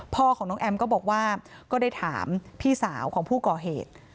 พ่อของน้องแอมก็บอกว่าก็ได้ถามพี่สาวของผู้ก่อเหตุ